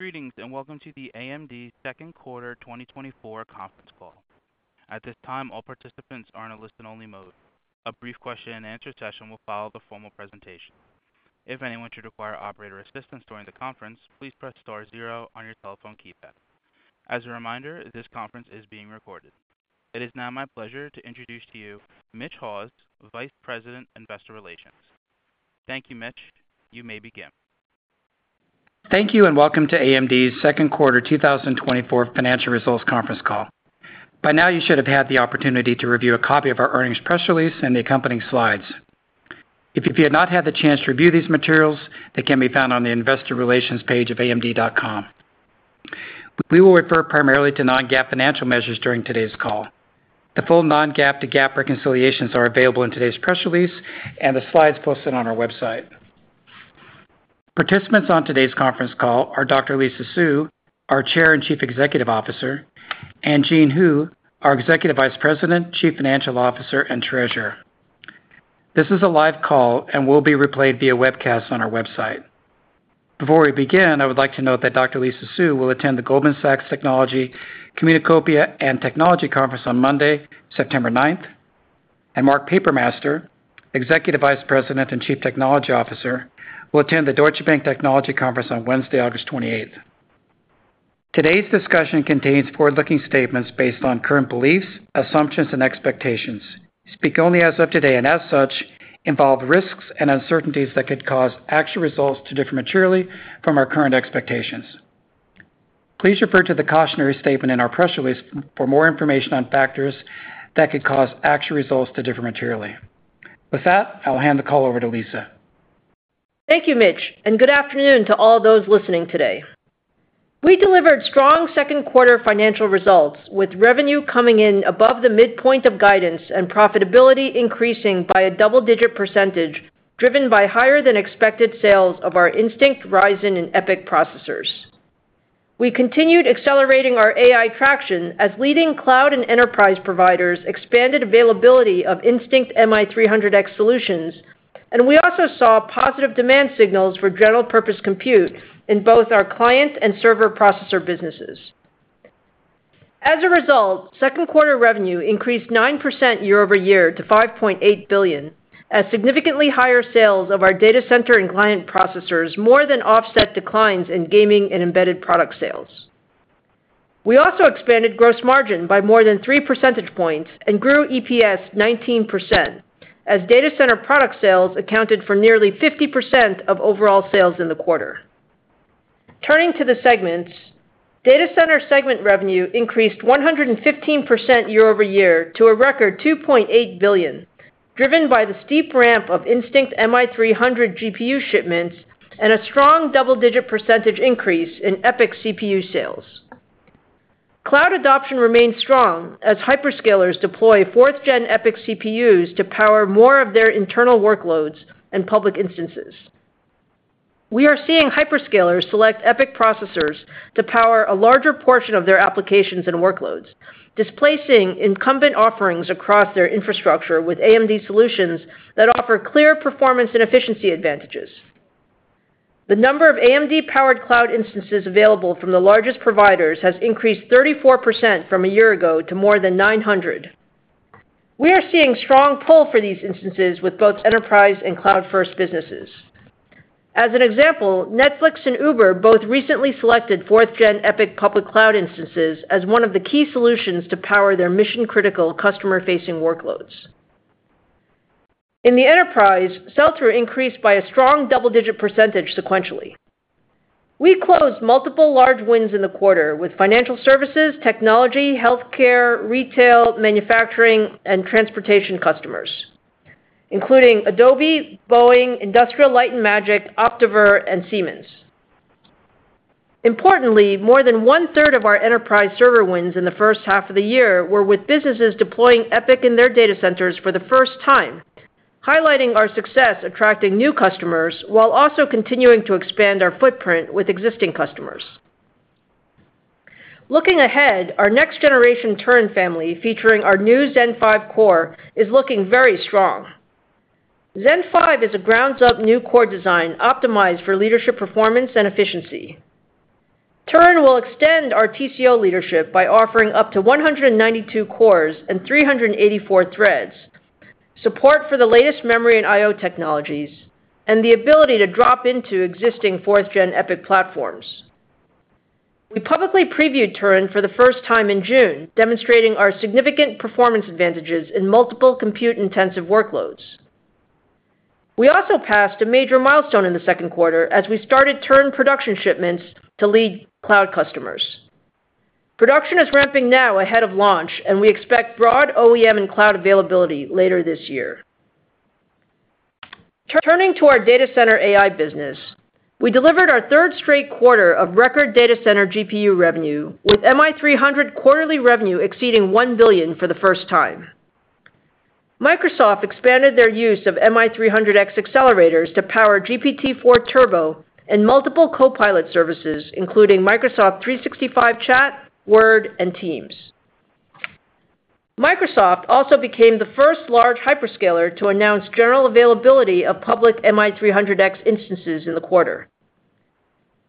Greetings, and welcome to the AMD Second Quarter 2024 conference call. At this time, all participants are in a listen-only mode. A brief question and answer session will follow the formal presentation. If anyone should require operator assistance during the conference, please press star zero on your telephone keypad. As a reminder, this conference is being recorded. It is now my pleasure to introduce to you Mitch Haws, Vice President, Investor Relations. Thank you, Mitch. You may begin. Thank you, and welcome to AMD's second quarter 2024 financial results conference call. By now, you should have had the opportunity to review a copy of our earnings press release and the accompanying slides. If you have not had the chance to review these materials, they can be found on the Investor Relations page of amd.com. We will refer primarily to non-GAAP financial measures during today's call. The full non-GAAP to GAAP reconciliations are available in today's press release and the slides posted on our website. Participants on today's conference call are Dr. Lisa Su, our Chair and Chief Executive Officer, and Jean Hu, our Executive Vice President, Chief Financial Officer, and Treasurer. This is a live call and will be replayed via webcast on our website. Before we begin, I would like to note that Dr. Lisa Su will attend the Goldman Sachs Technology Communacopia + Technology Conference on Monday, September 9th, and Mark Papermaster, Executive Vice President and Chief Technology Officer, will attend the Deutsche Bank Technology Conference on Wednesday, August 28th. Today's discussion contains forward-looking statements based on current beliefs, assumptions, and expectations. Speak only as of today, and as such, involve risks and uncertainties that could cause actual results to differ materially from our current expectations. Please refer to the cautionary statement in our press release for more information on factors that could cause actual results to differ materially. With that, I'll hand the call over to Lisa. Thank you, Mitch, and good afternoon to all those listening today. We delivered strong second quarter financial results, with revenue coming in above the midpoint of guidance and profitability increasing by a double-digit percentage, driven by higher than expected sales of our Instinct, Ryzen, and EPYC processors. We continued accelerating our AI traction as leading cloud and enterprise providers expanded availability of Instinct MI300X solutions, and we also saw positive demand signals for general purpose compute in both our client and server processor businesses. As a result, second quarter revenue increased 9% year-over-year to $5.8 billion, as significantly higher sales of our data center and client processors more than offset declines in gaming and embedded product sales. We also expanded gross margin by more than three percentage points and grew EPS 19%, as data center product sales accounted for nearly 50% of overall sales in the quarter. Turning to the segments, data center segment revenue increased 115% year-over-year to a record $2.8 billion, driven by the steep ramp of Instinct MI300 GPU shipments and a strong double-digit percentage increase in EPYC CPU sales. Cloud adoption remains strong as hyperscalers deploy fourth-gen EPYC CPUs to power more of their internal workloads and public instances. We are seeing hyperscalers select EPYC processors to power a larger portion of their applications and workloads, displacing incumbent offerings across their infrastructure with AMD solutions that offer clear performance and efficiency advantages. The number of AMD-powered cloud instances available from the largest providers has increased 34% from a year ago to more than 900. We are seeing strong pull for these instances with both enterprise and cloud-first businesses. As an example, Netflix and Uber both recently selected fourth-gen EPYC public cloud instances as one of the key solutions to power their mission-critical, customer-facing workloads. In the enterprise, sales were increased by a strong double-digit percentage sequentially. We closed multiple large wins in the quarter with financial services, technology, healthcare, retail, manufacturing, and transportation customers, including Adobe, Boeing, Industrial Light & Magic, Optiver, and Siemens. Importantly, more than one-third of our enterprise server wins in the first half of the year were with businesses deploying EPYC in their data centers for the first time, highlighting our success attracting new customers while also continuing to expand our footprint with existing customers. Looking ahead, our next-generation Turin family, featuring our new Zen 5 core, is looking very strong. Zen 5 is a ground-up new core design optimized for leadership, performance, and efficiency. Turin will extend our TCO leadership by offering up to 192 cores and 384 threads, support for the latest memory and I/O technologies, and the ability to drop into existing fourth gen EPYC platforms. We publicly previewed Turin for the first time in June, demonstrating our significant performance advantages in multiple compute-intensive workloads. We also passed a major milestone in the second quarter as we started Turin production shipments to leading cloud customers. Production is ramping now ahead of launch, and we expect broad OEM and cloud availability later this year. Turning to our data center AI business, we delivered our third straight quarter of record data center GPU revenue, with MI300 quarterly revenue exceeding $1 billion for the first time. Microsoft expanded their use of MI300X accelerators to power GPT-4 Turbo and multiple Copilot services, including Microsoft 365 Chat, Word, and Teams... Microsoft also became the first large hyperscaler to announce general availability of public MI300X instances in the quarter.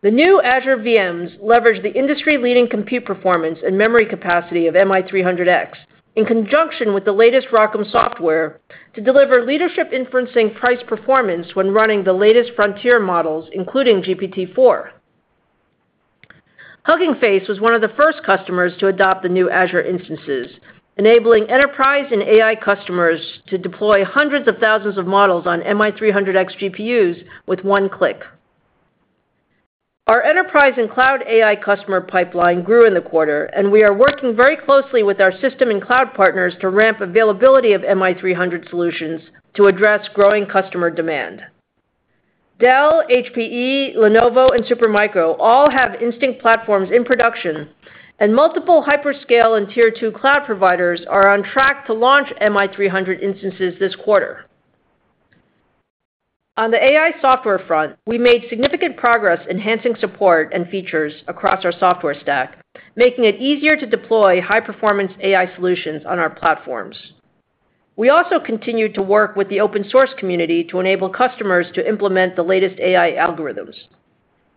The new Azure VMs leverage the industry-leading compute performance and memory capacity of MI300X, in conjunction with the latest ROCm software, to deliver leadership inferencing price performance when running the latest frontier models, including GPT-4. Hugging Face was one of the first customers to adopt the new Azure instances, enabling enterprise and AI customers to deploy hundreds of thousands of models on MI300X GPUs with one click. Our enterprise and cloud AI customer pipeline grew in the quarter, and we are working very closely with our system and cloud partners to ramp availability of MI300 solutions to address growing customer demand. Dell, HPE, Lenovo, and Supermicro all have Instinct platforms in production, and multiple hyperscale and tier two cloud providers are on track to launch MI300 instances this quarter. On the AI software front, we made significant progress enhancing support and features across our software stack, making it easier to deploy high-performance AI solutions on our platforms. We also continued to work with the open source community to enable customers to implement the latest AI algorithms.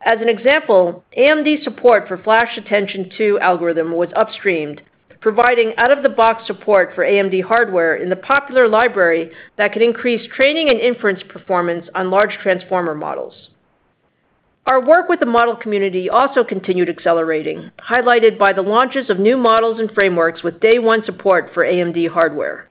As an example, AMD support for FlashAttention-2 algorithm upstreamed, providing out-of-the-box support for AMD hardware in the popular library that can increase training and inference performance on large transformer models. Our work with the model community also continued accelerating, highlighted by the launches of new models and frameworks with day one support for AMD hardware.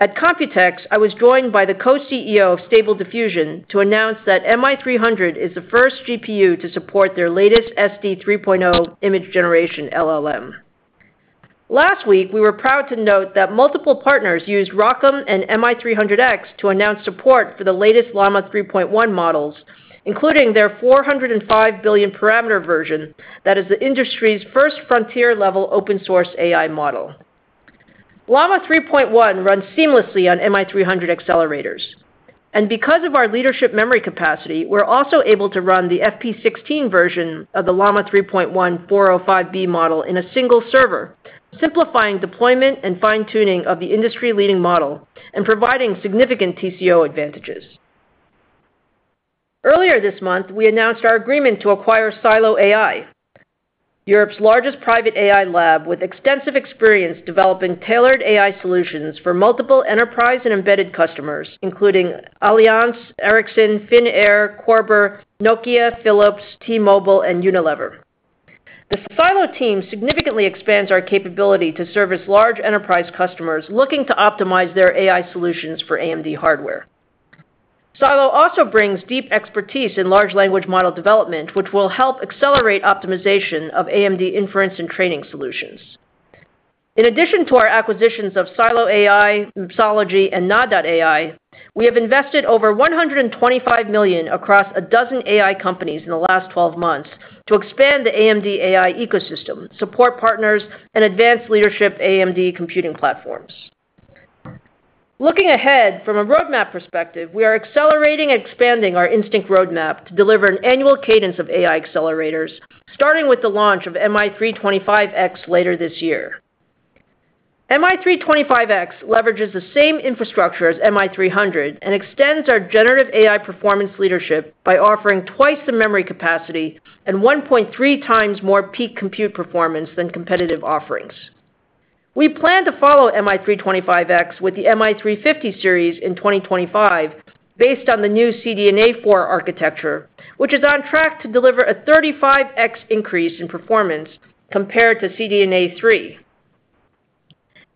At Computex, I was joined by the co-CEO of Stable Diffusion to announce that MI300 is the first GPU to support their latest SD 3.0 image generation LLM. Last week, we were proud to note that multiple partners used ROCm and MI300X to announce support for the latest Llama 3.1 models, including their 405 billion parameter version, that is the industry's first frontier-level open source AI model. Llama 3.1 runs seamlessly on MI300 accelerators, and because of our leadership memory capacity, we're also able to run the FP16 version of the Llama 3.1 405B model in a single server, simplifying deployment and fine-tuning of the industry-leading model and providing significant TCO advantages. Earlier this month, we announced our agreement to acquire Silo AI, Europe's largest private AI lab, with extensive experience developing tailored AI solutions for multiple enterprise and embedded customers, including Allianz, Ericsson, Finnair, Körber, Nokia, Philips, T-Mobile, and Unilever. The Silo team significantly expands our capability to service large enterprise customers looking to optimize their AI solutions for AMD hardware. Silo also brings deep expertise in large language model development, which will help accelerate optimization of AMD inference and training solutions. In addition to our acquisitions of Silo AI, Mipsology, and Nod.ai, we have invested over $125 million across a dozen AI companies in the last 12 months to expand the AMD AI ecosystem, support partners, and advance leadership AMD computing platforms. Looking ahead, from a roadmap perspective, we are accelerating and expanding our Instinct roadmap to deliver an annual cadence of AI accelerators, starting with the launch of MI325X later this year. MI325X leverages the same infrastructure as MI300 and extends our generative AI performance leadership by offering twice the memory capacity and 1.3x more peak compute performance than competitive offerings. We plan to follow MI325X with the MI350 series in 2025 based on the new CDNA 4 architecture, which is on track to deliver a 35x increase in performance compared to CDNA 3.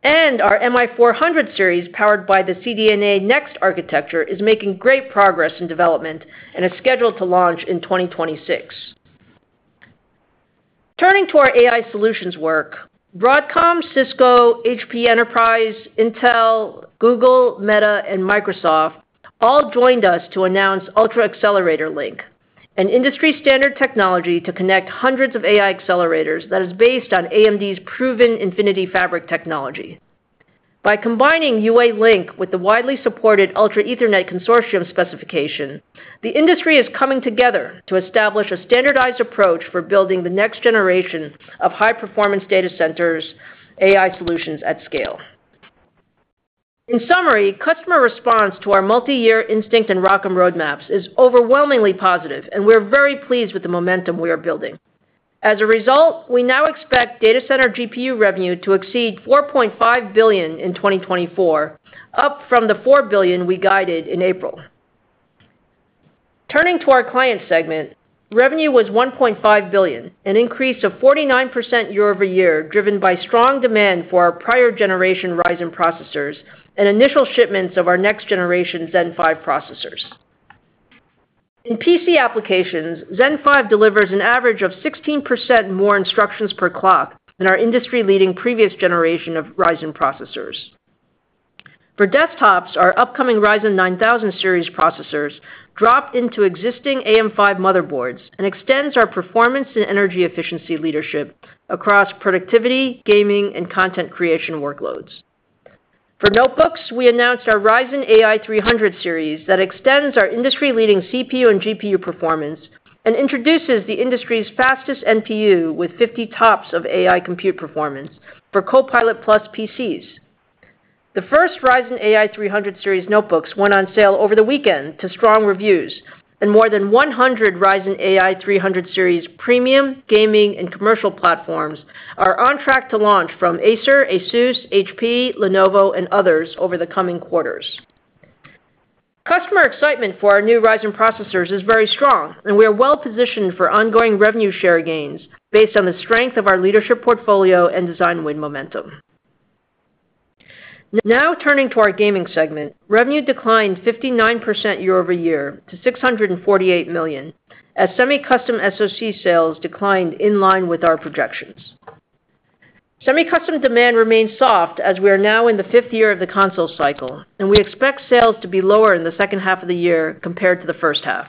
Our MI400 series, powered by the CDNA Next architecture, is making great progress in development and is scheduled to launch in 2026. Turning to our AI solutions work, Broadcom, Cisco, HPE, Intel, Google, Meta, and Microsoft all joined us to announce Ultra Accelerator Link, an industry-standard technology to connect hundreds of AI accelerators that is based on AMD's proven Infinity Fabric technology. By combining UALink with the widely supported Ultra Ethernet Consortium specification, the industry is coming together to establish a standardized approach for building the next generation of high-performance data centers AI solutions at scale. In summary, customer response to our multi-year Instinct and ROCm roadmaps is overwhelmingly positive, and we're very pleased with the momentum we are building. As a result, we now expect data center GPU revenue to exceed $4.5 billion in 2024, up from the $4 billion we guided in April. Turning to our client segment, revenue was $1.5 billion, an increase of 49% year-over-year, driven by strong demand for our prior generation Ryzen processors and initial shipments of our next generation Zen 5 processors. In PC applications, Zen 5 delivers an average of 16% more instructions per clock than our industry-leading previous generation of Ryzen processors. For desktops, our upcoming Ryzen 9000 series processors drop into existing AM5 motherboards and extends our performance and energy efficiency leadership across productivity, gaming, and content creation workloads.... For notebooks, we announced our Ryzen AI 300 Series that extends our industry-leading CPU and GPU performance, and introduces the industry's fastest NPU with 50 TOPS of AI compute performance for Copilot+ PCs. The first Ryzen AI 300 Series notebooks went on sale over the weekend to strong reviews, and more than 100 Ryzen AI 300 Series premium, gaming, and commercial platforms are on track to launch from Acer, Asus, HP, Lenovo, and others over the coming quarters. Customer excitement for our new Ryzen processors is very strong, and we are well-positioned for ongoing revenue share gains based on the strength of our leadership portfolio and design win momentum. Now turning to our gaming segment. Revenue declined 59% year-over-year to $648 million, as semi-custom SOC sales declined in line with our projections. Semi-custom demand remains soft as we are now in the fifth year of the console cycle, and we expect sales to be lower in the second half of the year compared to the first half.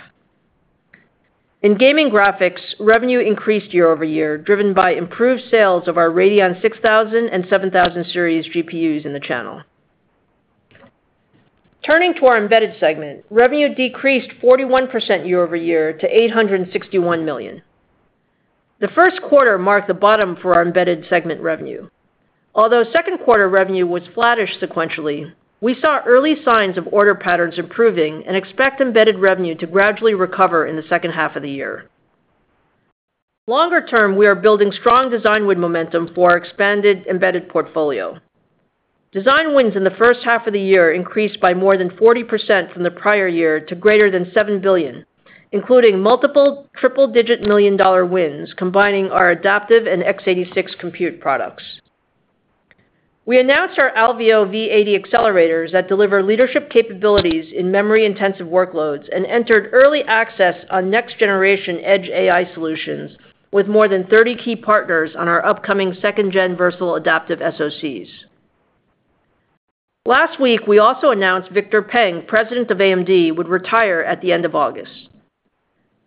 In gaming graphics, revenue increased year-over-year, driven by improved sales of our Radeon 6000 and 7000 Series GPUs in the channel. Turning to our embedded segment, revenue decreased 41% year-over-year to $861 million. The first quarter marked the bottom for our embedded segment revenue. Although second quarter revenue was flattish sequentially, we saw early signs of order patterns improving and expect embedded revenue to gradually recover in the second half of the year. Longer term, we are building strong design win momentum for our expanded embedded portfolio. Design wins in the first half of the year increased by more than 40% from the prior year to greater than $7 billion, including multiple triple-digit million-dollar wins, combining our adaptive and x86 compute products. We announced our Alveo V80 accelerators that deliver leadership capabilities in memory-intensive workloads and entered early access on next-generation edge AI solutions, with more than 30 key partners on our upcoming second-gen versatile adaptive SoCs. Last week, we also announced Victor Peng, president of AMD, would retire at the end of August.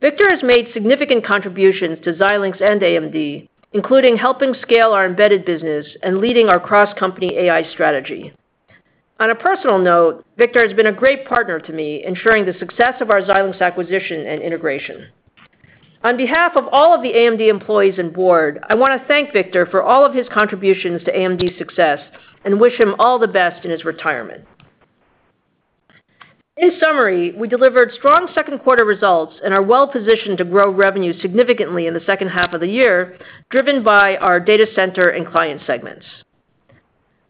Victor has made significant contributions to Xilinx and AMD, including helping scale our embedded business and leading our cross-company AI strategy. On a personal note, Victor has been a great partner to me, ensuring the success of our Xilinx acquisition and integration. On behalf of all of the AMD employees and board, I want to thank Victor for all of his contributions to AMD's success, and wish him all the best in his retirement. In summary, we delivered strong second quarter results and are well-positioned to grow revenue significantly in the second half of the year, driven by our data center and client segments.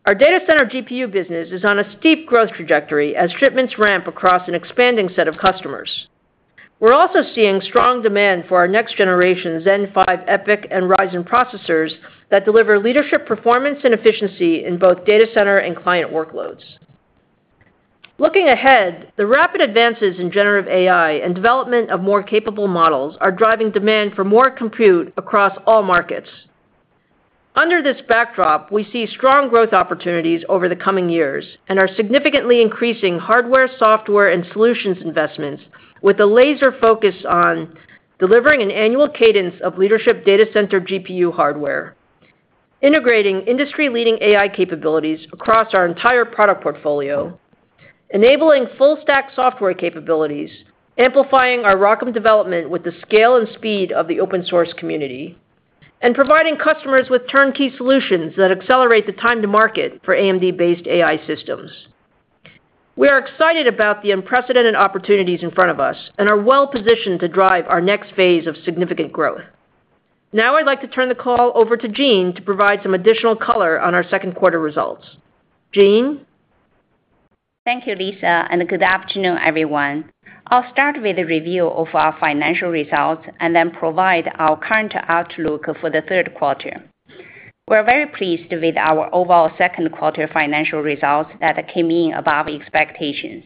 Our data center GPU business is on a steep growth trajectory as shipments ramp across an expanding set of customers. We're also seeing strong demand for our next generation Zen 5 EPYC and Ryzen processors that deliver leadership, performance, and efficiency in both data center and client workloads. Looking ahead, the rapid advances in generative AI and development of more capable models are driving demand for more compute across all markets. Under this backdrop, we see strong growth opportunities over the coming years and are significantly increasing hardware, software, and solutions investments with a laser focus on delivering an annual cadence of leadership data center GPU hardware, integrating industry-leading AI capabilities across our entire product portfolio, enabling full stack software capabilities, amplifying our ROCm development with the scale and speed of the open source community, and providing customers with turnkey solutions that accelerate the time to market for AMD-based AI systems. We are excited about the unprecedented opportunities in front of us and are well-positioned to drive our next phase of significant growth. Now, I'd like to turn the call over to Jean to provide some additional color on our second quarter results. Jean? Thank you, Lisa, and good afternoon, everyone. I'll start with a review of our financial results and then provide our current outlook for the third quarter. We're very pleased with our overall second quarter financial results that came in above expectations.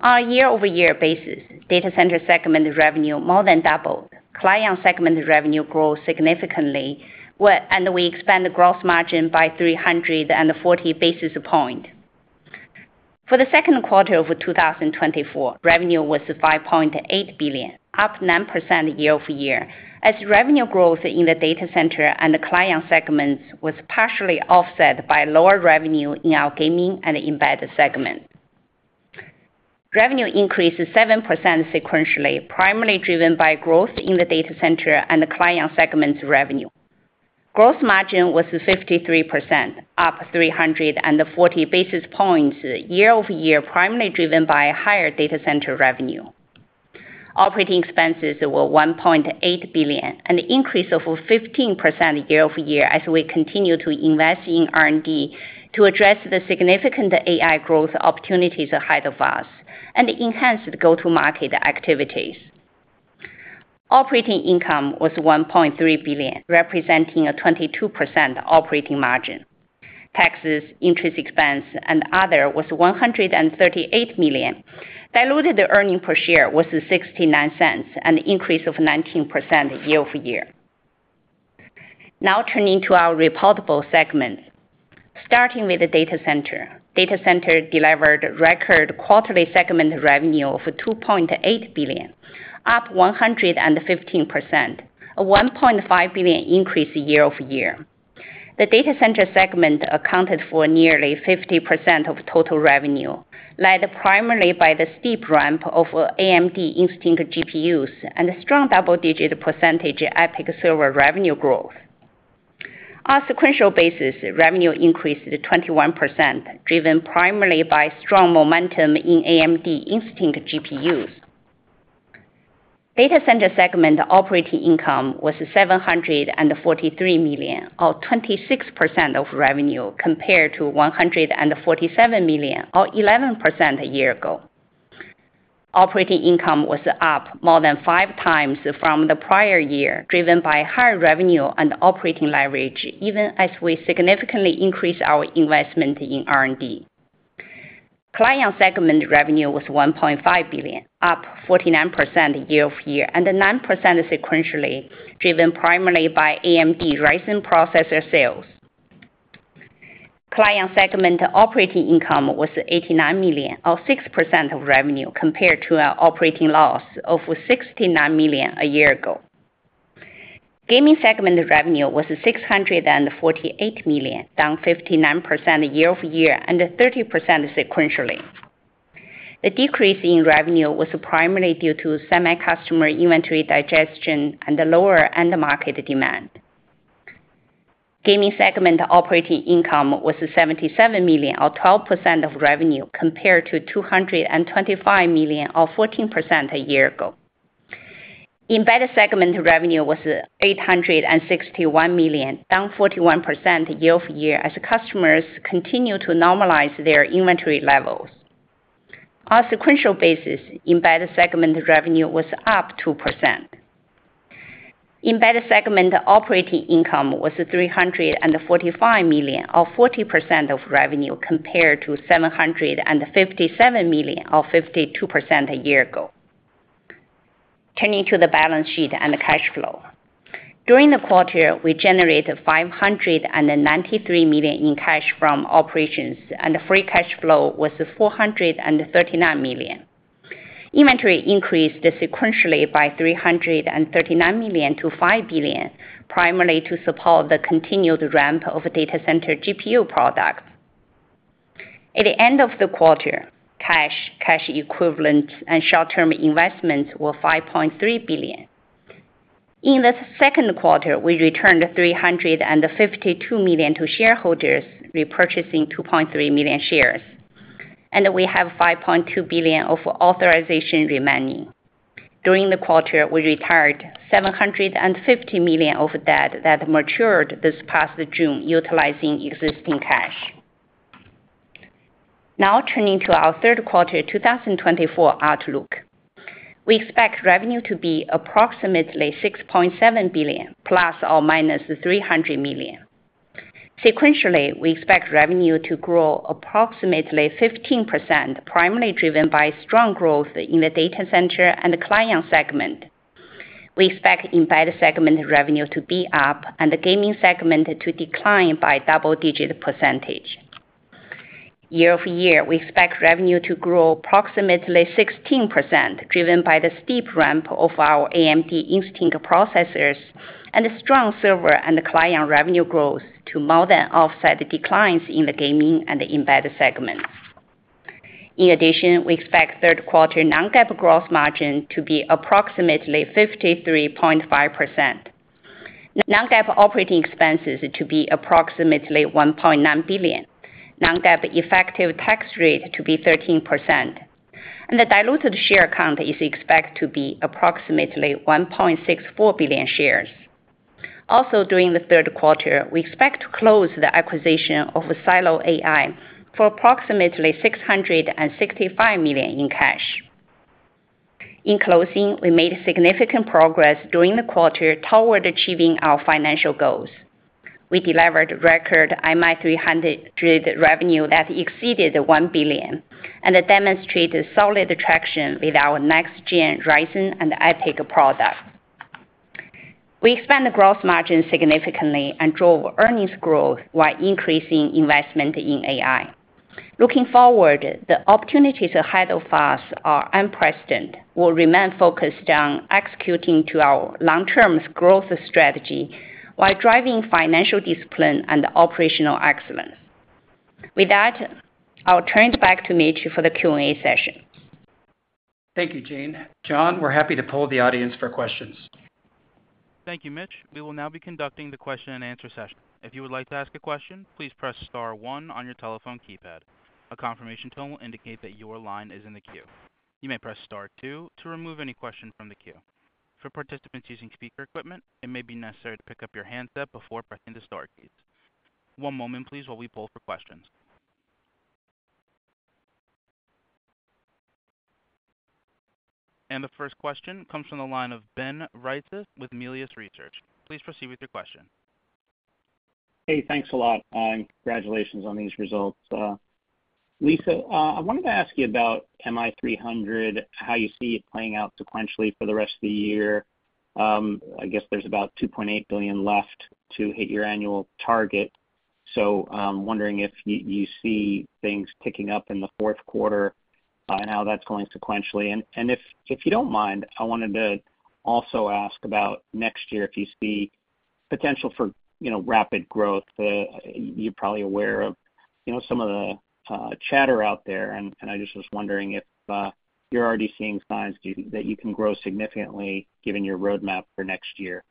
On a year-over-year basis, data center segment revenue more than doubled. Client segment revenue grew significantly, and we expanded the gross margin by 340 basis points. For the second quarter of 2024, revenue was $5.8 billion, up 9% year-over-year. As revenue growth in the data center and the client segments was partially offset by lower revenue in our gaming and embedded segment. Revenue increased 7% sequentially, primarily driven by growth in the data center and the client segment's revenue. Gross margin was 53%, up 340 basis points year-over-year, primarily driven by higher data center revenue. Operating expenses were $1.8 billion, an increase of 15% year-over-year, as we continue to invest in R&D to address the significant AI growth opportunities ahead of us and enhance the go-to-market activities. Operating income was $1.3 billion, representing a 22% operating margin. Taxes, interest expense, and other was $138 million. Diluted earnings per share was $0.69, an increase of 19% year-over-year. Now, turning to our reportable segments. Starting with the data center. Data center delivered record quarterly segment revenue of $2.8 billion, up 115%.... a $1.5 billion increase year-over-year. The data center segment accounted for nearly 50% of total revenue, led primarily by the steep ramp of AMD Instinct GPUs and a strong double-digit percentage EPYC server revenue growth. On a sequential basis, revenue increased 21%, driven primarily by strong momentum in AMD Instinct GPUs. Data center segment operating income was $743 million, or 26% of revenue, compared to $147 million, or 11% a year ago. Operating income was up more than five times from the prior year, driven by higher revenue and operating leverage, even as we significantly increased our investment in R&D. Client segment revenue was $1.5 billion, up 49% year-over-year, and 9% sequentially, driven primarily by AMD Ryzen processor sales. Client segment operating income was $89 million, or 6% of revenue, compared to our operating loss of $69 million a year ago. Gaming segment revenue was $648 million, down 59% year-over-year and 30% sequentially. The decrease in revenue was primarily due to semi-customer inventory digestion and the lower end market demand. Gaming segment operating income was $77 million, or 12% of revenue, compared to $225 million or 14% a year ago. Embedded segment revenue was $861 million, down 41% year-over-year as customers continue to normalize their inventory levels. On a sequential basis, embedded segment revenue was up 2%. Embedded segment operating income was $345 million, or 40% of revenue, compared to $757 million, or 52% a year ago. Turning to the balance sheet and the cash flow. During the quarter, we generated $593 million in cash from operations, and the free cash flow was $439 million. Inventory increased sequentially by $339 million to $5 billion, primarily to support the continued ramp of data center GPU products. At the end of the quarter, cash, cash equivalents, and short-term investments were $5.3 billion. In the second quarter, we returned $352 million to shareholders, repurchasing 2.3 million shares, and we have $5.2 billion of authorization remaining. During the quarter, we retired $750 million of debt that matured this past June, utilizing existing cash. Now, turning to our third quarter 2024 outlook. We expect revenue to be approximately $6.7 billion, ±$300 million. Sequentially, we expect revenue to grow approximately 15%, primarily driven by strong growth in the data center and the client segment. We expect embedded segment revenue to be up and the gaming segment to decline by double-digit percentage. Year-over-year, we expect revenue to grow approximately 16%, driven by the steep ramp of our AMD Instinct processors and a strong server and client revenue growth to more than offset the declines in the gaming and the embedded segments. In addition, we expect third quarter non-GAAP gross margin to be approximately 53.5%. Non-GAAP operating expenses to be approximately $1.9 billion. Non-GAAP effective tax rate to be 13%. The diluted share count is expected to be approximately 1.64 billion shares. Also, during the third quarter, we expect to close the acquisition of Silo AI for approximately $665 million in cash. In closing, we made significant progress during the quarter toward achieving our financial goals. We delivered record MI300 revenue that exceeded $1 billion and demonstrated solid traction with our next-gen Ryzen and EPYC products. We expanded the gross margin significantly and drove earnings growth while increasing investment in AI. Looking forward, the opportunities ahead of us are unprecedented. We'll remain focused on executing to our long-term growth strategy while driving financial discipline and operational excellence. With that, I'll turn it back to Mitch for the Q&A session. Thank you, Jean. John, we're happy to poll the audience for questions. Thank you, Mitch. We will now be conducting the question and answer session. If you would like to ask a question, please press star one on your telephone keypad. A confirmation tone will indicate that your line is in the queue. You may press Star two to remove any question from the queue. For participants using speaker equipment, it may be necessary to pick up your handset before pressing the star keys. One moment, please, while we poll for questions. The first question comes from the line of Ben Reitzes with Melius Research. Please proceed with your question. Hey, thanks a lot, and congratulations on these results. Lisa, I wanted to ask you about MI300, how you see it playing out sequentially for the rest of the year. I guess there's about $2.8 billion left to hit your annual target. So, wondering if you see things picking up in the fourth quarter and how that's going sequentially. And if you don't mind, I wanted to also ask about next year, if you see potential for, you know, rapid growth. You're probably aware of, you know, some of the chatter out there, and I just was wondering if you're already seeing signs that you can grow significantly given your roadmap for next year.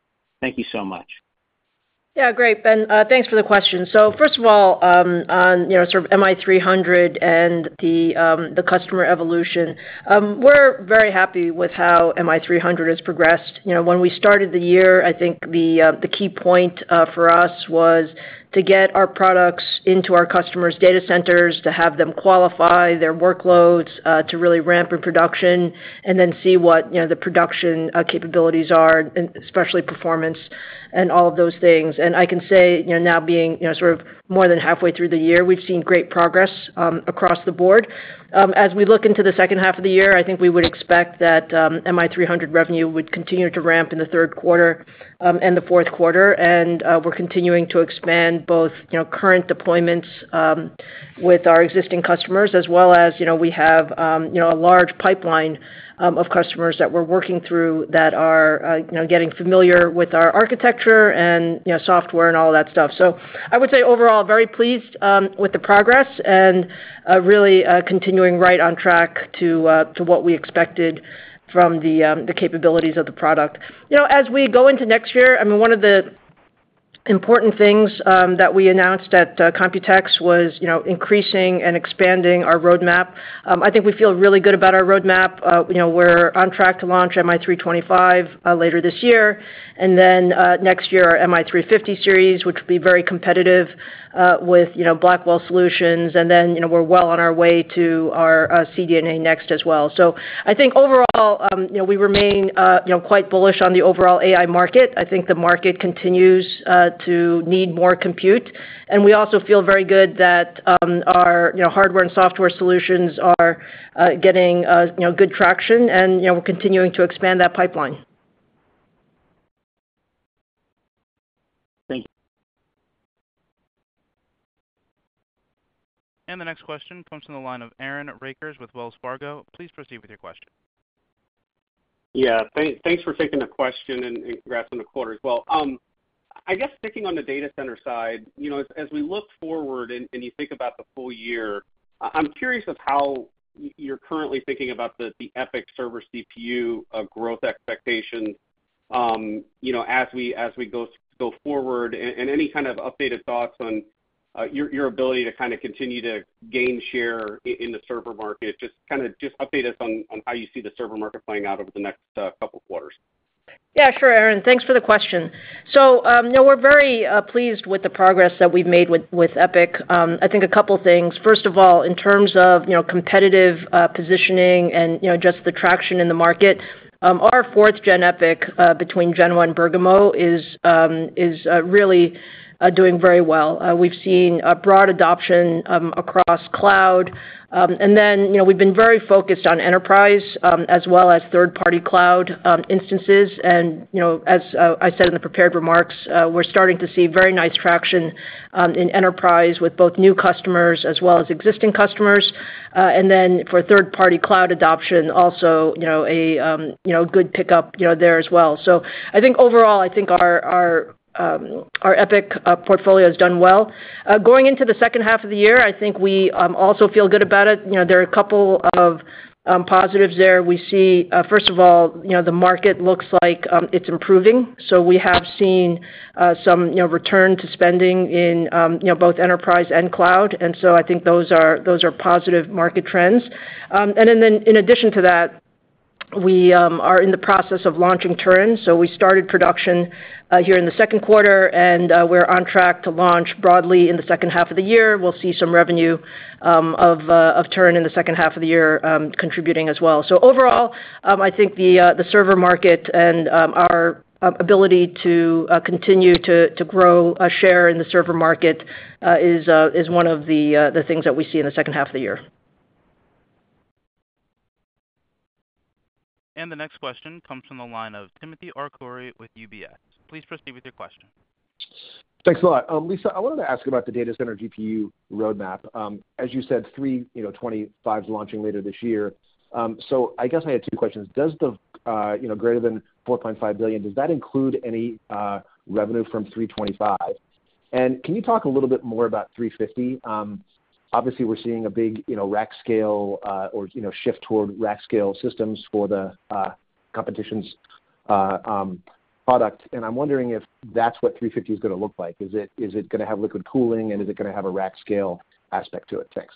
Thank you so much. Yeah, great, Ben. Thanks for the question. So first of all, on, you know, sort of MI300 and the, the customer evolution, we're very happy with how MI300 has progressed. You know, when we started the year, I think the, the key point, for us was to get our products into our customers' data centers, to have them qualify their workloads, to really ramp in production, and then see what, you know, the production, capabilities are, and especially performance and all of those things. And I can say, you know, now being, you know, sort of more than halfway through the year, we've seen great progress, across the board. As we look into the second half of the year, I think we would expect that MI300 revenue would continue to ramp in the third quarter and the fourth quarter. We're continuing to expand both, you know, current deployments with our existing customers, as well as, you know, we have, you know, a large pipeline of customers that we're working through that are, you know, getting familiar with our architecture and, you know, software and all that stuff. So I would say overall, very pleased with the progress and really continuing right on track to what we expected from the capabilities of the product. You know, as we go into next year, I mean, one of the important things that we announced at Computex was, you know, increasing and expanding our roadmap. I think we feel really good about our roadmap. You know, we're on track to launch MI325 later this year, and then next year, our MI350 series, which will be very competitive with Blackwell Solutions, and then you know, we're well on our way to our CDNA Next as well. So I think overall, you know, we remain quite bullish on the overall AI market. I think the market continues to need more compute, and we also feel very good that our hardware and software solutions are getting good traction, and we're continuing to expand that pipeline. Thank you. The next question comes from the line of Aaron Rakers with Wells Fargo. Please proceed with your question. Yeah, thanks for taking the question, and congrats on the quarter as well. I guess sticking on the data center side, you know, as we look forward and you think about the full year, I'm curious of how you're currently thinking about the EPYC server CPU growth expectation, you know, as we go forward, and any kind of updated thoughts on your ability to kind of continue to gain share in the server market. Just update us on how you see the server market playing out over the next couple quarters. Yeah, sure, Aaron, thanks for the question. So, you know, we're very pleased with the progress that we've made with EPYC. I think a couple things. First of all, in terms of, you know, competitive positioning and, you know, just the traction in the market, our fourth-gen EPYC between Genoa and Bergamo is really doing very well. We've seen a broad adoption across cloud. And then, you know, we've been very focused on enterprise as well as third-party cloud instances. And, you know, as I said in the prepared remarks, we're starting to see very nice traction in enterprise with both new customers as well as existing customers. And then for third-party cloud adoption, also, you know, a good pickup, you know, there as well. So I think overall, I think our EPYC portfolio has done well. Going into the second half of the year, I think we also feel good about it. You know, there are a couple of positives there. We see first of all, you know, the market looks like it's improving, so we have seen some, you know, return to spending in you know, both enterprise and cloud, and so I think those are positive market trends. And then in addition to that, we are in the process of launching Turin. So we started production here in the second quarter, and we're on track to launch broadly in the second half of the year. We'll see some revenue of Turin in the second half of the year, contributing as well. So overall, I think the server market and our ability to continue to grow a share in the server market is one of the things that we see in the second half of the year. The next question comes from the line of Timothy Arcuri with UBS. Please proceed with your question. Thanks a lot. Lisa, I wanted to ask about the data center GPU roadmap. As you said, the MI325X, you know, launching later this year. So I guess I had two questions: Does the, you know, greater than $4.5 billion, does that include any revenue from MI325X? And can you talk a little bit more about MI350? Obviously, we're seeing a big, you know, rack scale, or, you know, shift toward rack scale systems for the competition's product. And I'm wondering if that's what MI350 is gonna look like. Is it, is it gonna have liquid cooling, and is it gonna have a rack scale aspect to it? Thanks. ...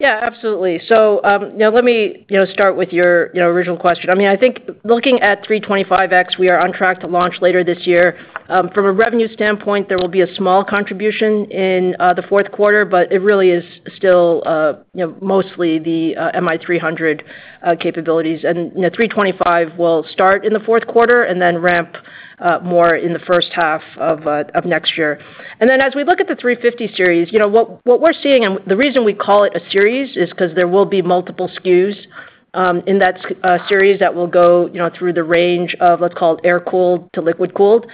Yeah, absolutely. So, you know, let me, you know, start with your, you know, original question. I mean, I think looking at 325X, we are on track to launch later this year. From a revenue standpoint, there will be a small contribution in the fourth quarter, but it really is still, you know, mostly the MI300 capabilities. And, you know, 325 will start in the fourth quarter and then ramp more in the first half of next year. And then as we look at the 350 series, you know, what we're seeing and the reason we call it a series is 'cause there will be multiple SKUs in that series that will go, you know, through the range of, let's call it, air-cooled to liquid-cooled.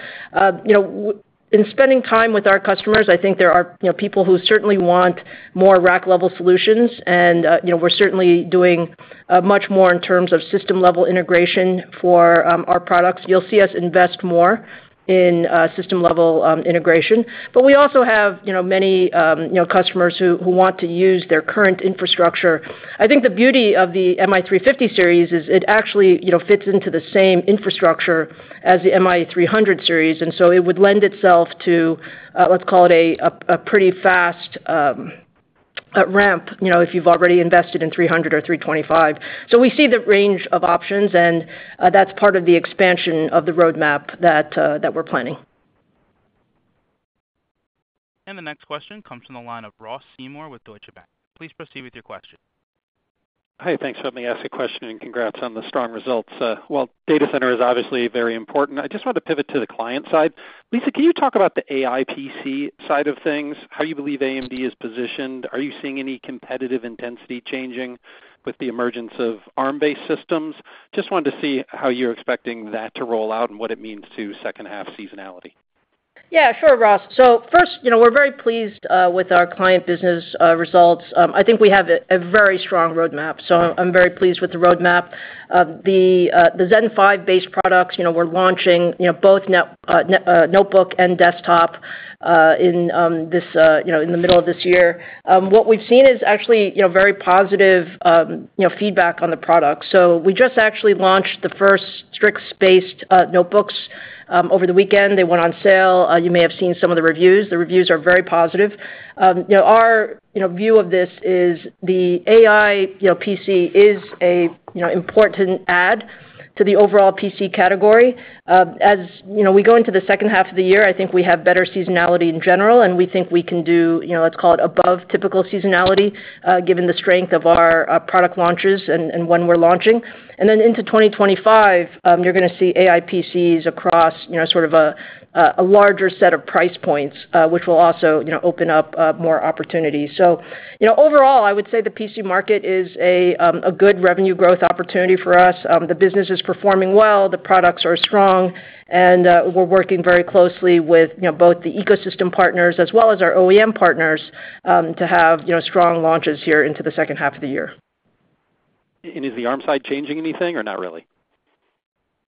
In spending time with our customers, I think there are, you know, people who certainly want more rack-level solutions, and, you know, we're certainly doing much more in terms of system-level integration for our products. You'll see us invest more in system-level integration. But we also have, you know, many, you know, customers who want to use their current infrastructure. I think the beauty of the MI350 series is it actually, you know, fits into the same infrastructure as the MI300 series, and so it would lend itself to, let's call it a pretty fast ramp, you know, if you've already invested in 300 or 325. So we see the range of options, and, that's part of the expansion of the roadmap that we're planning. The next question comes from the line of Ross Seymore with Deutsche Bank. Please proceed with your question. Hi, thanks for letting me ask a question, and congrats on the strong results. Well, data center is obviously very important. I just want to pivot to the client side. Lisa, can you talk about the AI PC side of things, how you believe AMD is positioned? Are you seeing any competitive intensity changing with the emergence of Arm-based systems? Just wanted to see how you're expecting that to roll out and what it means to second half seasonality. Yeah, sure, Ross. So first, you know, we're very pleased with our client business results. I think we have a very strong roadmap, so I'm very pleased with the roadmap. The Zen 5 based products, you know, we're launching, you know, both notebook and desktop in this, you know, in the middle of this year. What we've seen is actually, you know, very positive, you know, feedback on the product. So we just actually launched the first Strix-based notebooks over the weekend. They went on sale. You may have seen some of the reviews. The reviews are very positive. You know, our view of this is the AI, you know, PC is a important add to the overall PC category. As, you know, we go into the second half of the year, I think we have better seasonality in general, and we think we can do, you know, let's call it, above typical seasonality, given the strength of our product launches and, and when we're launching. Then into 2025, you're gonna see AI PCs across, you know, sort of a larger set of price points, which will also, you know, open up more opportunities. So, you know, overall, I would say the PC market is a good revenue growth opportunity for us. The business is performing well, the products are strong, and we're working very closely with, you know, both the ecosystem partners as well as our OEM partners to have, you know, strong launches here into the second half of the year. Is the Arm side changing anything or not really?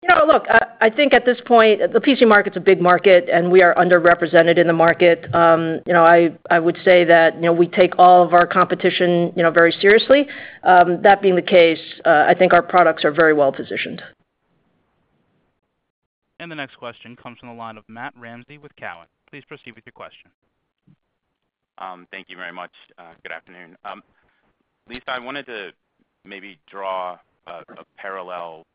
You know, look, I think at this point, the PC market's a big market, and we are underrepresented in the market. You know, I would say that, you know, we take all of our competition, you know, very seriously. That being the case, I think our products are very well positioned. The next question comes from the line of Matt Ramsey with TD Cowen. Please proceed with your question. Thank you very much. Good afternoon. Lisa, I wanted to maybe draw a parallel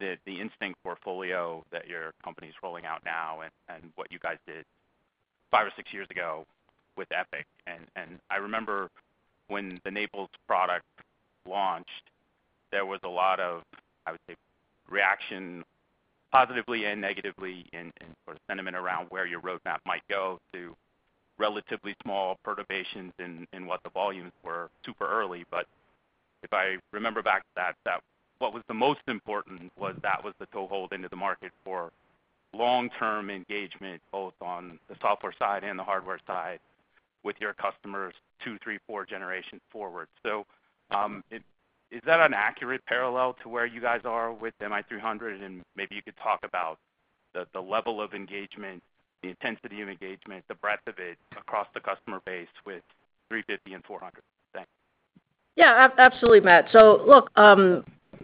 between the Instinct portfolio that your company's rolling out now and what you guys did five or six years ago with EPYC. And I remember when the Naples product launched, there was a lot of, I would say, reaction, positively and negatively, and sort of sentiment around where your roadmap might go to relatively small perturbations in what the volumes were super early. But if I remember back to that, what was the most important was that was the toe hold into the market for long-term engagement, both on the software side and the hardware side, with your customers two, three, four generations forward. So, is that an accurate parallel to where you guys are with MI300? Maybe you could talk about the level of engagement, the intensity of engagement, the breadth of it across the customer base with 350 and 400. Thanks. Yeah, absolutely, Matt. So look,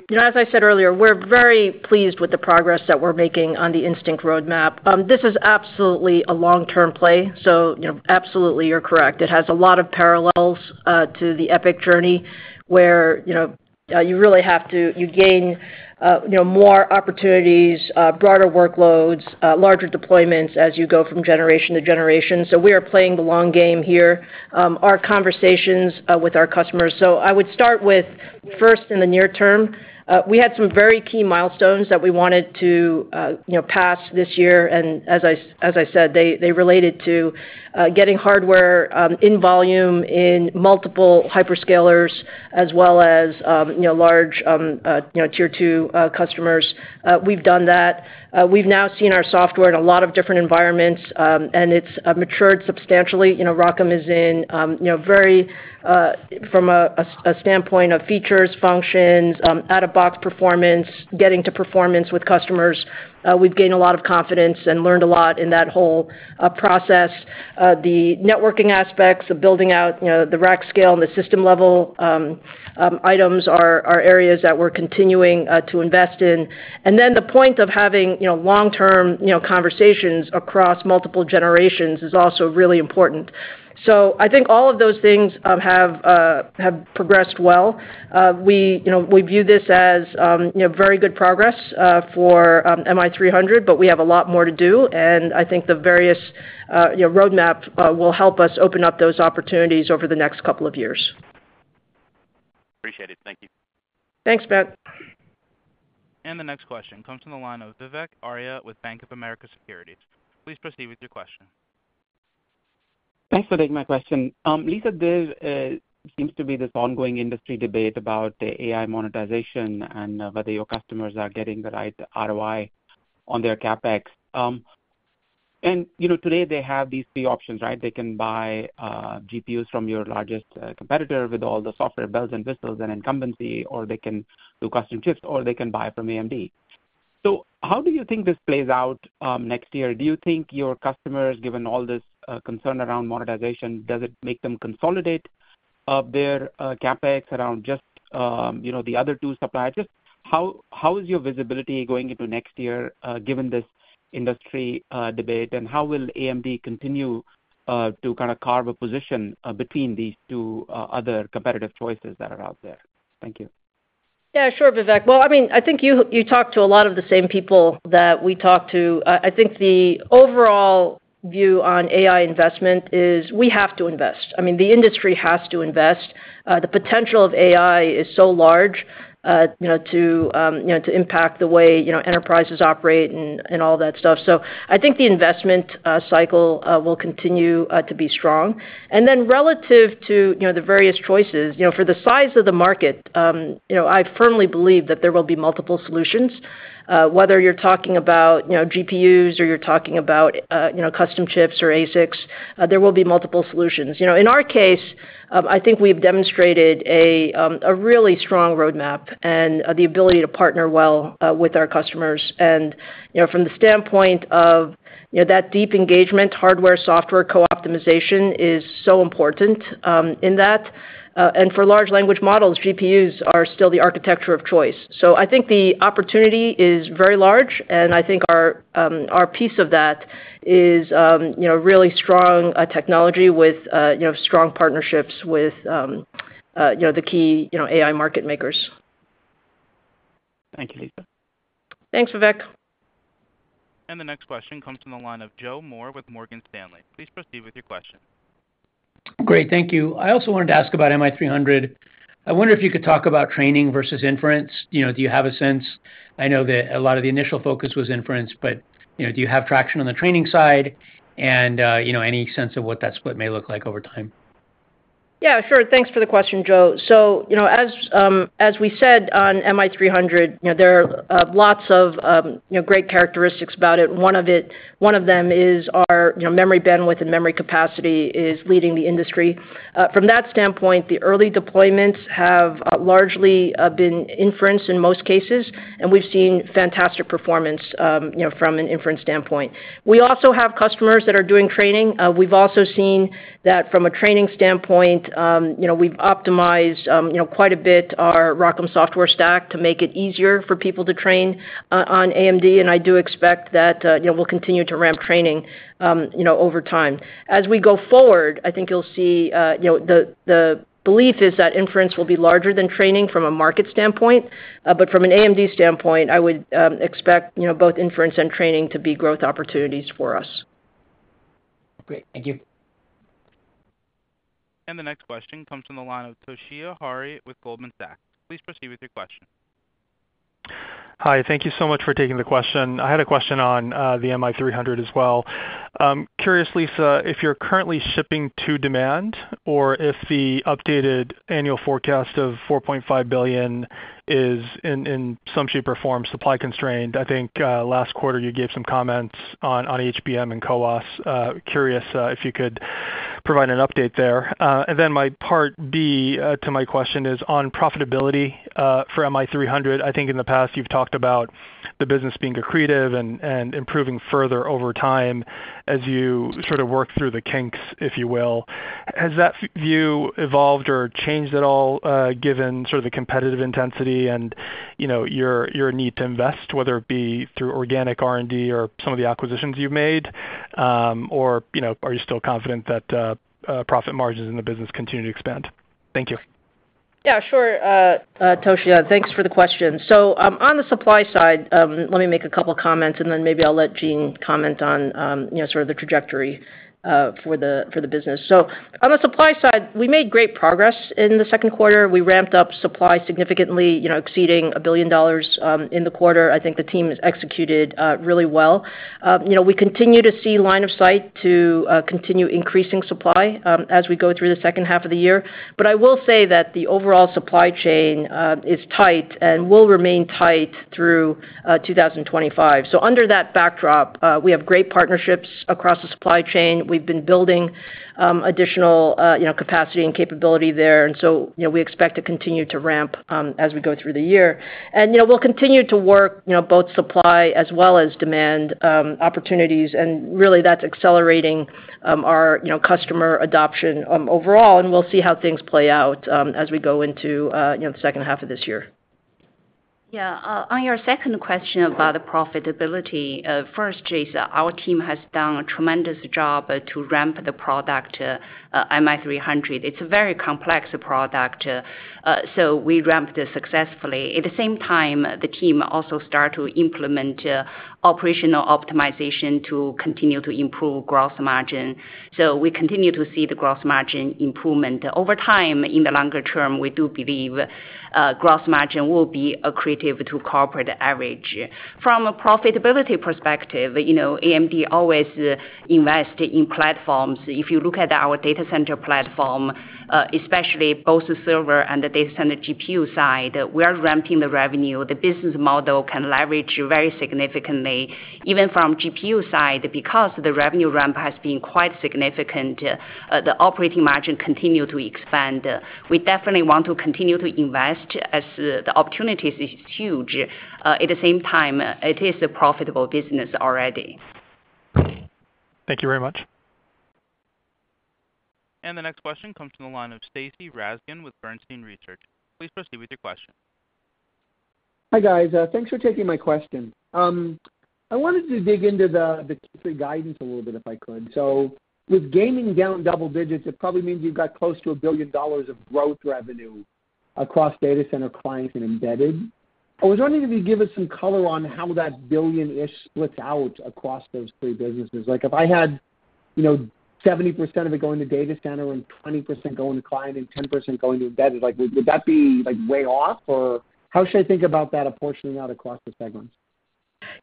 you know, as I said earlier, we're very pleased with the progress that we're making on the Instinct roadmap. This is absolutely a long-term play, so, you know, absolutely, you're correct. It has a lot of parallels to the EPYC journey, where, you know, you really have to... You gain, you know, more opportunities, broader workloads, larger deployments as you go from generation to generation. So we are playing the long game here. Our conversations with our customers. So I would start with, first, in the near term, we had some very key milestones that we wanted to, you know, pass this year, and as I said, they related to getting hardware in volume in multiple hyperscalers as well as, you know, large tier two customers. We've done that. We've now seen our software in a lot of different environments, and it's matured substantially. You know, ROCm is in, you know, very, from a standpoint of features, functions, out-of-box performance, getting to performance with customers, we've gained a lot of confidence and learned a lot in that whole process. The networking aspects of building out, you know, the rack scale and the system-level items are areas that we're continuing to invest in. And then the point of having, you know, long-term, you know, conversations across multiple generations is also really important. So I think all of those things have progressed well. We, you know, we view this as, you know, very good progress for MI300, but we have a lot more to do, and I think the various, you know, roadmap will help us open up those opportunities over the next couple of years. Appreciate it. Thank you. Thanks, Matt. The next question comes from the line of Vivek Arya with Bank of America Securities. Please proceed with your question. Thanks for taking my question. Lisa, there seems to be this ongoing industry debate about the AI monetization and whether your customers are getting the right ROI on their CapEx. And, you know, today they have these three options, right? They can buy GPUs from your largest competitor with all the software bells and whistles and incumbency, or they can do custom chips, or they can buy from AMD. So how do you think this plays out next year? Do you think your customers, given all this, concern around monetization, does it make them consolidate their CapEx around just, you know, the other two suppliers? Just how is your visibility going into next year, given this industry debate? How will AMD continue to kind of carve a position between these two other competitive choices that are out there? Thank you. Yeah, sure, Vivek. Well, I mean, I think you, you talk to a lot of the same people that we talk to. I think the overall view on AI investment is we have to invest. I mean, the industry has to invest. The potential of AI is so large, you know, to, you know, to impact the way, you know, enterprises operate and, and all that stuff. So I think the investment, cycle, will continue, to be strong. And then relative to, you know, the various choices, you know, for the size of the market, you know, I firmly believe that there will be multiple solutions, whether you're talking about, you know, GPUs or you're talking about, you know, custom chips or ASICs, there will be multiple solutions. You know, in our case, I think we've demonstrated a really strong roadmap and the ability to partner well with our customers. You know, from the standpoint of, you know, that deep engagement, hardware, software, co-optimization is so important in that. And for large language models, GPUs are still the architecture of choice. So I think the opportunity is very large, and I think our piece of that is, you know, really strong technology with, you know, strong partnerships with, you know, the key, you know, AI market makers. Thank you, Lisa. Thanks, Vivek. The next question comes from the line of Joe Moore with Morgan Stanley. Please proceed with your question. Great, thank you. I also wanted to ask about MI300. I wonder if you could talk about training versus inference. You know, do you have a sense—I know that a lot of the initial focus was inference, but, you know, do you have traction on the training side? And, you know, any sense of what that split may look like over time? Yeah, sure. Thanks for the question, Joe. So, you know, as as we said on MI300, you know, there are lots of you know, great characteristics about it. One of it, one of them is our, you know, memory bandwidth and memory capacity is leading the industry. From that standpoint, the early deployments have largely been inference in most cases, and we've seen fantastic performance, you know, from an inference standpoint. We also have customers that are doing training. We've also seen that from a training standpoint, you know, we've optimized you know, quite a bit our ROCm software stack to make it easier for people to train on AMD, and I do expect that, you know, we'll continue to ramp training you know, over time. As we go forward, I think you'll see, you know, the belief is that inference will be larger than training from a market standpoint. But from an AMD standpoint, I would expect, you know, both inference and training to be growth opportunities for us. Great. Thank you. The next question comes from the line of Toshiya Hari with Goldman Sachs. Please proceed with your question. Hi, thank you so much for taking the question. I had a question on the MI300 as well. Curious, Lisa, if you're currently shipping to demand or if the updated annual forecast of $4.5 billion is in some shape or form, supply constrained. I think last quarter you gave some comments on HBM and CoWoS. Curious if you could provide an update there. And then my part B to my question is on profitability for MI300. I think in the past, you've talked about the business being accretive and improving further over time as you sort of work through the kinks, if you will. Has that view evolved or changed at all, given sort of the competitive intensity and, you know, your need to invest, whether it be through organic R&D or some of the acquisitions you've made? Or, you know, are you still confident that profit margins in the business continue to expand? Thank you. Yeah, sure, Toshiya, thanks for the question. So, on the supply side, let me make a couple comments, and then maybe I'll let Jean comment on, you know, sort of the trajectory, for the business. So on the supply side, we made great progress in the second quarter. We ramped up supply significantly, you know, exceeding $1 billion in the quarter. I think the team has executed really well. You know, we continue to see line of sight to continue increasing supply as we go through the second half of the year. But I will say that the overall supply chain is tight and will remain tight through 2025. So under that backdrop, we have great partnerships across the supply chain. We've been building, additional, you know, capacity and capability there, and so, you know, we expect to continue to ramp, as we go through the year. And, you know, we'll continue to work, you know, both supply as well as demand, opportunities, and really, that's accelerating, our, you know, customer adoption, overall, and we'll see how things play out, as we go into, you know, the second half of this year. ... Yeah. On your second question about the profitability, first, Jason, our team has done a tremendous job to ramp the product, MI300. It's a very complex product, so we ramped it successfully. At the same time, the team also start to implement operational optimization to continue to improve gross margin. So we continue to see the gross margin improvement. Over time, in the longer term, we do believe gross margin will be accretive to corporate average. From a profitability perspective, you know, AMD always invest in platforms. If you look at our data center platform, especially both the server and the data center GPU side, we are ramping the revenue. The business model can leverage very significantly, even from GPU side, because the revenue ramp has been quite significant, the operating margin continue to expand. We definitely want to continue to invest as the opportunity is huge. At the same time, it is a profitable business already. Thank you very much. The next question comes from the line of Stacy Rasgon with Bernstein Research. Please proceed with your question. Hi, guys. Thanks for taking my question. I wanted to dig into the guidance a little bit, if I could. So with gaming down double digits, it probably means you've got close to $1 billion of growth revenue across Data Center, Client, and Embedded. I was wondering if you'd give us some color on how that $1 billion-ish splits out across those three businesses. Like, if I had, you know, 70% of it going to Data Center and 20% going to Client and 10% going to Embedded, like, would that be, like, way off? Or how should I think about that apportioning out across the segments?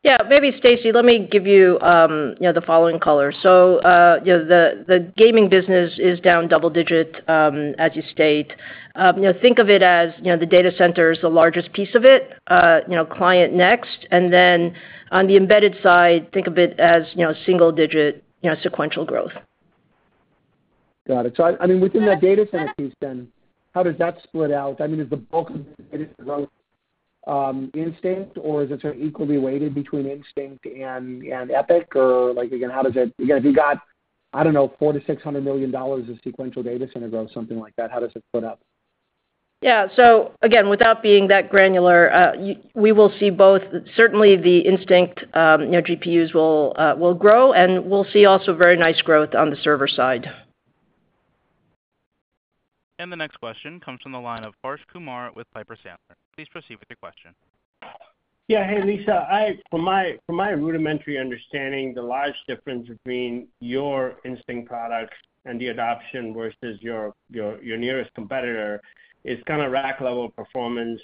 Yeah, maybe, Stacy, let me give you, you know, the following color. So, you know, the gaming business is down double digit, as you state. You know, think of it as, you know, the data center is the largest piece of it, you know, client next, and then on the embedded side, think of it as, you know, single digit, you know, sequential growth. Got it. So, I mean, within that data center piece, then, how does that split out? I mean, is the bulk of it Instinct, or is it sort of equally weighted between Instinct and EPYC? Or, like, again, how does it... Again, if you got, I don't know, $400 million-$600 million of sequential data center growth, something like that, how does it split up? Yeah. So again, without being that granular, we will see both. Certainly, the Instinct, you know, GPUs will grow, and we'll see also very nice growth on the server side. The next question comes from the line of Harsh Kumar with Piper Sandler. Please proceed with your question. Yeah. Hey, Lisa. From my rudimentary understanding, the large difference between your Instinct products and the adoption versus your nearest competitor is kind of rack-level performance,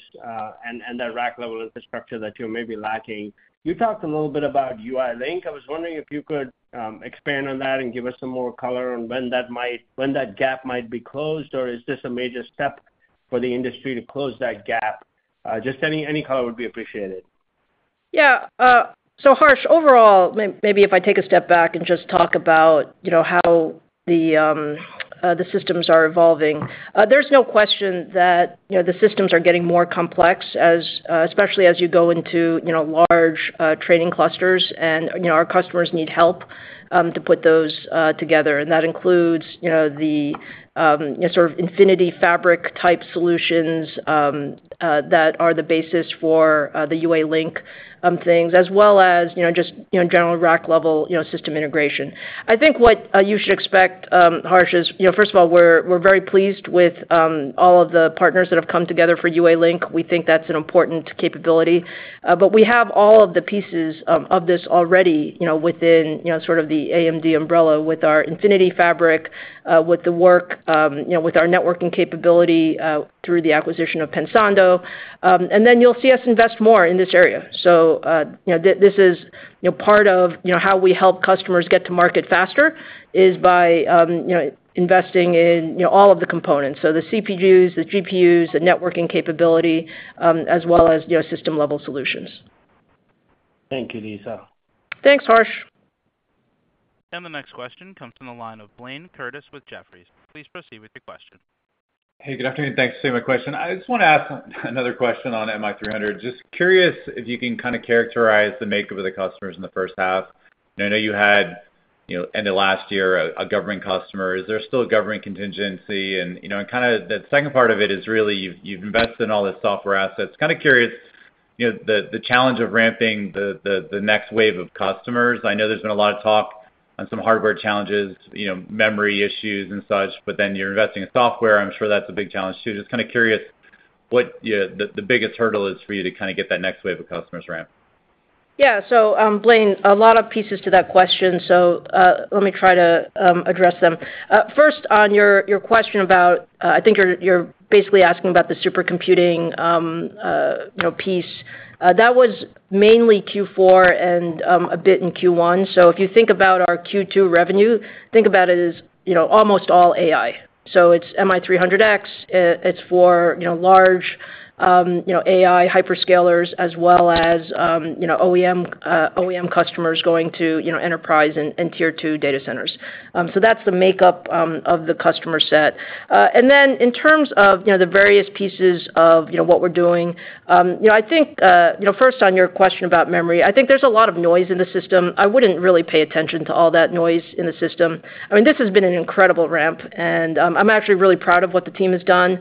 and that rack-level infrastructure that you're maybe lacking. You talked a little bit about UALink. I was wondering if you could expand on that and give us some more color on when that gap might be closed, or is this a major step for the industry to close that gap? Just any color would be appreciated. Yeah. So Harsh, overall, maybe if I take a step back and just talk about, you know, how the systems are evolving. There's no question that, you know, the systems are getting more complex as, especially as you go into, you know, large trading clusters, and, you know, our customers need help to put those together. And that includes, you know, the, you know, sort of Infinity Fabric-type solutions that are the basis for the UALink things, as well as, you know, just, you know, general rack-level, you know, system integration. I think what you should expect, Harsh, is, you know, first of all, we're very pleased with all of the partners that have come together for UALink. We think that's an important capability, but we have all of the pieces of this already, you know, within, you know, sort of the AMD umbrella with our Infinity Fabric, with our networking capability, through the acquisition of Pensando. And then you'll see us invest more in this area. So, you know, this is, you know, part of, you know, how we help customers get to market faster, is by, you know, investing in, you know, all of the components. So the CPUs, the GPUs, the networking capability, as well as, you know, system-level solutions. Thank you, Lisa. Thanks, Harsh. The next question comes from the line of Blayne Curtis with Jefferies. Please proceed with your question. Hey, good afternoon. Thanks. Same question. I just want to ask another question on MI300. Just curious if you can kind of characterize the makeup of the customers in the first half. I know you had, you know, end of last year, a government customer. Is there still a government contingency? And, you know, and kind of the second part of it is really you've invested in all this software assets. Kind of curious, you know, the challenge of ramping the next wave of customers. I know there's been a lot of talk on some hardware challenges, you know, memory issues and such, but then you're investing in software. I'm sure that's a big challenge, too. Just kind of curious what the biggest hurdle is for you to kind of get that next wave of customers ramped. Yeah. So, Blayne, a lot of pieces to that question, so, let me try to address them. First, on your question about... I think you're basically asking about the supercomputing, you know, piece. That was mainly Q4 and a bit in Q1. So if you think about our Q2 revenue, think about it as, you know, almost all AI. So it's MI300X, it's for, you know, large AI hyperscalers as well as, you know, OEM OEM customers going to, you know, enterprise and tier two data centers. So that's the makeup of the customer set. And then in terms of, you know, the various pieces of, you know, what we're doing, you know, I think, you know, first on your question about memory, I think there's a lot of noise in the system. I wouldn't really pay attention to all that noise in the system. I mean, this has been an incredible ramp, and, I'm actually really proud of what the team has done,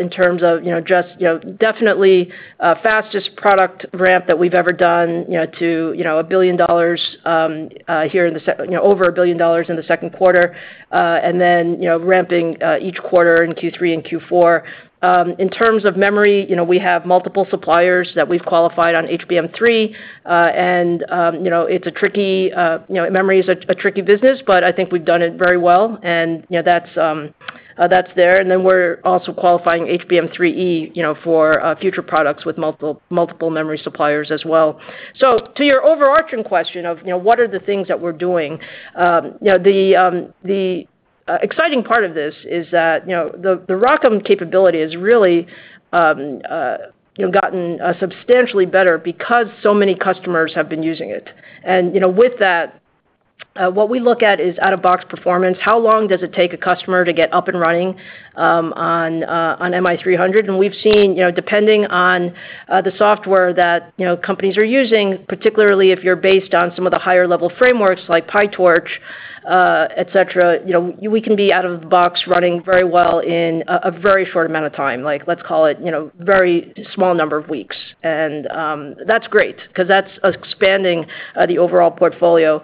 in terms of, you know, just, you know, definitely, fastest product ramp that we've ever done, you know, to, you know, $1 billion, you know, over $1 billion in the second quarter. And then, you know, ramping, each quarter in Q3 and Q4. In terms of memory, you know, we have multiple suppliers that we've qualified on HBM3. And, you know, it's a tricky, you know, memory is a tricky business, but I think we've done it very well, and, you know, that's there. And then we're also qualifying HBM3E, you know, for future products with multiple memory suppliers as well. So to your overarching question of, you know, what are the things that we're doing? You know, the exciting part of this is that, you know, the ROCm capability has really, you know, gotten substantially better because so many customers have been using it. And, you know, with that, what we look at is out-of-box performance. How long does it take a customer to get up and running on MI300? And we've seen, you know, depending on the software that, you know, companies are using, particularly if you're based on some of the higher-level frameworks like PyTorch, et cetera, you know, we can be out of the box running very well in a very short amount of time, like, let's call it, you know, very small number of weeks. And that's great, 'cause that's expanding the overall portfolio.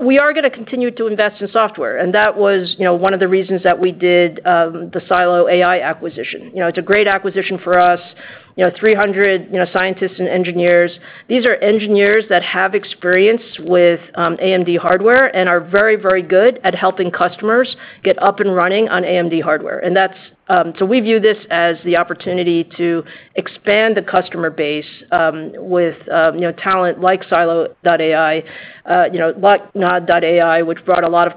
We are gonna continue to invest in software, and that was, you know, one of the reasons that we did the Silo AI acquisition. You know, it's a great acquisition for us. You know, 300 scientists and engineers. These are engineers that have experience with AMD hardware and are very, very good at helping customers get up and running on AMD hardware. And that's... So we view this as the opportunity to expand the customer base, with, you know, talent like Silo AI, you know, like Nod.ai, which brought a lot of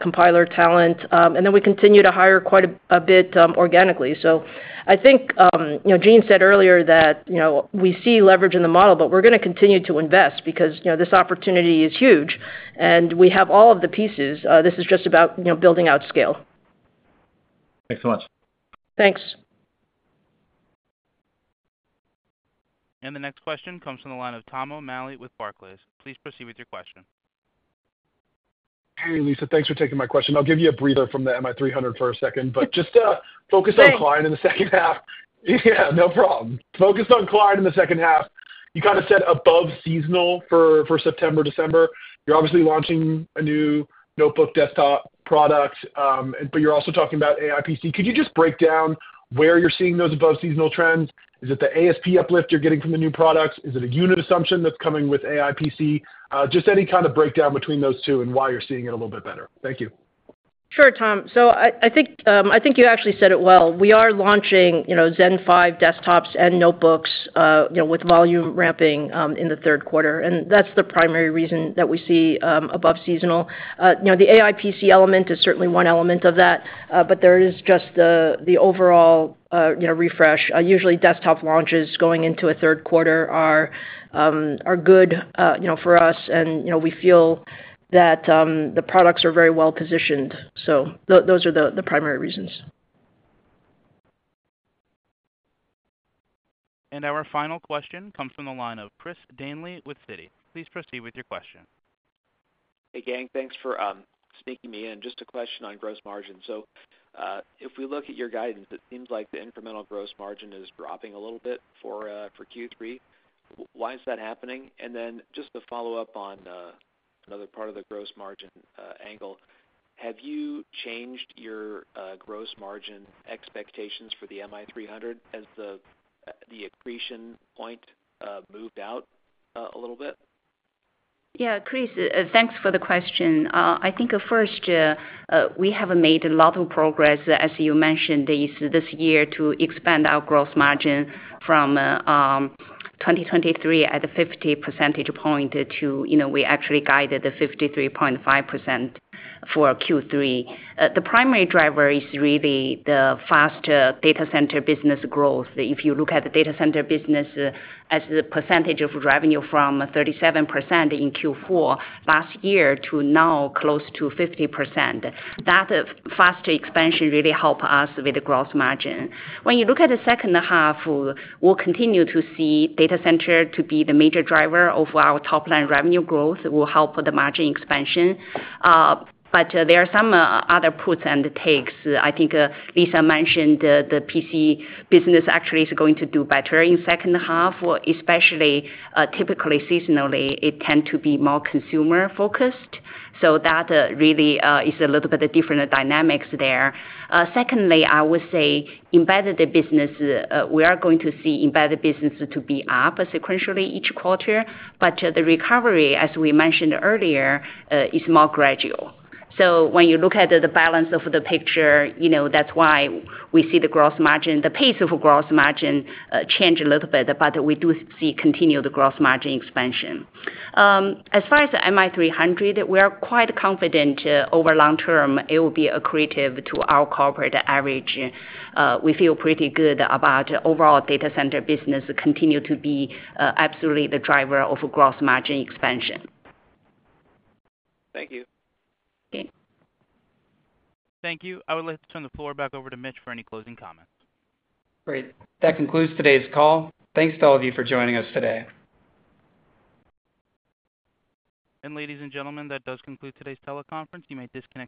compiler talent, and then we continue to hire quite a bit organically. So I think, you know, Jean said earlier that, you know, we see leverage in the model, but we're gonna continue to invest because, you know, this opportunity is huge, and we have all of the pieces. This is just about, you know, building out scale. Thanks so much. Thanks. The next question comes from the line of Tom O'Malley with Barclays. Please proceed with your question. Hey, Lisa. Thanks for taking my question. I'll give you a breather from the MI300 for a second, but just to- Thanks. Focus on client in the second half. Yeah, no problem. Focus on client in the second half. You kind of said above seasonal for, for September, December. You're obviously launching a new notebook desktop product, but you're also talking about AI PC. Could you just break down where you're seeing those above seasonal trends? Is it the ASP uplift you're getting from the new products? Is it a unit assumption that's coming with AI PC? Just any kind of breakdown between those two and why you're seeing it a little bit better. Thank you. Sure, Tom. So I think you actually said it well. We are launching, you know, Zen 5 desktops and notebooks, you know, with volume ramping in the third quarter, and that's the primary reason that we see above seasonal. You know, the AI PC element is certainly one element of that, but there is just the overall, you know, refresh. Usually desktop launches going into a third quarter are good, you know, for us, and, you know, we feel that the products are very well positioned. So those are the primary reasons. Our final question comes from the line of Chris Danley with Citi. Please proceed with your question. Hey, gang. Thanks for sneaking me in. Just a question on gross margin. So, if we look at your guidance, it seems like the incremental gross margin is dropping a little bit for Q3. Why is that happening? And then just to follow up on another part of the gross margin angle, have you changed your gross margin expectations for the MI300 as the accretion point moved out a little bit? Yeah, Chris, thanks for the question. I think, first, we have made a lot of progress, as you mentioned, this, this year, to expand our gross margin from 2023 at 50 percentage points to, you know, we actually guided 53.5% for Q3. The primary driver is really the fast data center business growth. If you look at the data center business as the percentage of revenue from 37% in Q4 last year to now close to 50%, that fast expansion really help us with the gross margin. When you look at the second half, we'll continue to see data center to be the major driver of our top-line revenue growth, will help with the margin expansion. But, there are some other puts and takes. I think, Lisa mentioned the, the PC business actually is going to do better in second half, especially, typically seasonally, it tend to be more consumer focused, so that, really, is a little bit of different dynamics there. Secondly, I would say embedded business, we are going to see embedded business to be up sequentially each quarter, but the recovery, as we mentioned earlier, is more gradual. So when you look at the balance of the picture, you know, that's why we see the gross margin, the pace of gross margin, change a little bit, but we do see continued gross margin expansion. As far as the MI300, we are quite confident over long term it will be accretive to our corporate average. We feel pretty good about overall data center business continue to be absolutely the driver of gross margin expansion. Thank you. Okay. Thank you. I would like to turn the floor back over to Mitch for any closing comments. Great. That concludes today's call. Thanks to all of you for joining us today. Ladies and gentlemen, that does conclude today's teleconference. You may disconnect your-